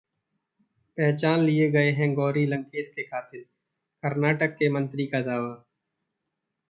पहचान लिए गए हैं गौरी लंकेश के कातिल, कर्नाटक के मंत्री का दावा